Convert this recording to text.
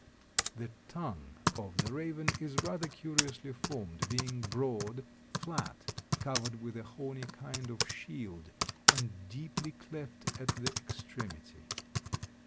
The tongue of the raven is rather curiously formed, being broad, flat, covered with a horny kind of shield, and deeply cleft at the extremity.